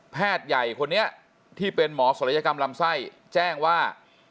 ใหญ่คนนี้ที่เป็นหมอศัลยกรรมลำไส้แจ้งว่า